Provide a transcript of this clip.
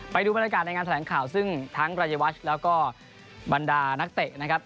ไปดูบรรยากาศในงานแถลงข่าวซึ่งทั้งรายวัชแล้วก็บรรดานักเตะนะครับ